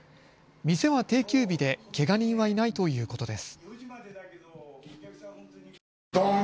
店は定休日でけが人はいないということです。